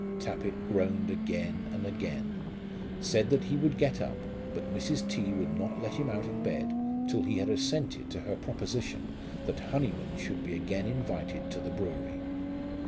Tappitt groaned again and again, said that he would get up, but Mrs. T. would not let him out of bed till he had assented to her proposition that Honyman should be again invited to the brewery.